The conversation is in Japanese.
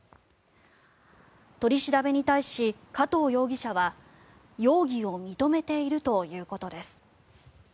取り調べに対し加藤容疑者は容疑を認めているということです。